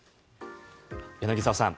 柳澤さん